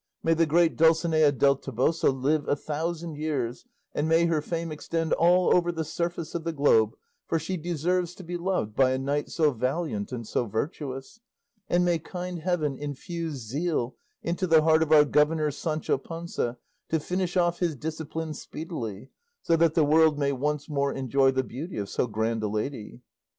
May the great Dulcinea del Toboso live a thousand years, and may her fame extend all over the surface of the globe, for she deserves to be loved by a knight so valiant and so virtuous; and may kind heaven infuse zeal into the heart of our governor Sancho Panza to finish off his discipline speedily, so that the world may once more enjoy the beauty of so grand a lady."